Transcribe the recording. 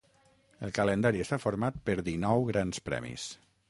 El calendari està format per dinou grans premis.